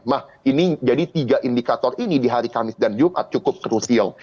nah ini jadi tiga indikator ini di hari kamis dan jumat cukup krusial